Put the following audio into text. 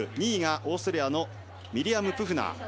２位がオーストリアのミリアム・プフナー。